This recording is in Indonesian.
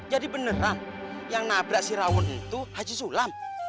jadi beneran yang nabrak si rawon itu haji sulam